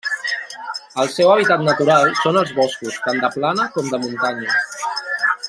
El seu hàbitat natural són els boscos tant de plana com de muntanya.